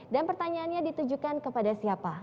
dan pertanyaannya ditujukan kepada siapa